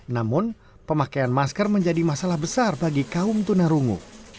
namun pemakaian masker menjadi masalah besar bagi kaum tunarungu